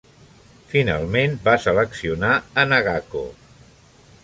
Finalment va seleccionar a Nagako.